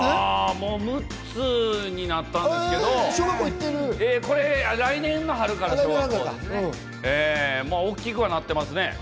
もう６つになったんですけれども、来年の春から小学校が始まって、大きくはなっていますね。